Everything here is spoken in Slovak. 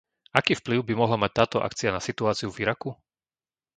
Aký vplyv by mohla mať táto akcia na situáciu v Iraku?